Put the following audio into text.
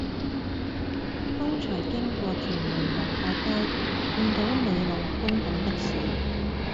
剛才經過屯門龍發街見到你老公等的士